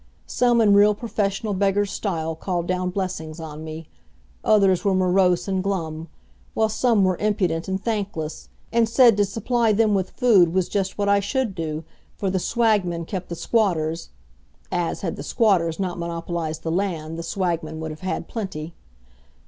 Some in real professional beggars' style called down blessings on me; others were morose and glum, while some were impudent and thankless, and said to supply them with food was just what I should do, for the swagmen kept the squatters as, had the squatters not monopolized the land, the swagmen would have had plenty.